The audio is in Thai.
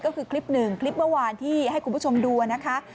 ก็คือคลิปหนึ่งคลิปเมื่อวานที่ให้คุณผู้ชมดูนะคะ